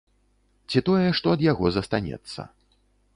Ці тое, што ад яго застанецца.